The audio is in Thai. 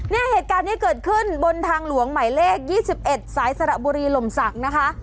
เนี่ยเหตุการณ์นี้เกิดขึ้นบนทางหลวงหมายเลข๒๑สายสระบุรีหล่มศักดิ์นะคะ